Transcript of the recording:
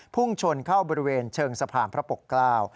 พุ่งชนเข้าบริเวณเชิงสะพานพระปกเกล้า